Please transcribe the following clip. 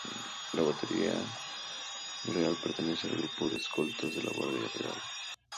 La Batería Real pertenece al Grupo de Escoltas de la Guardia Real.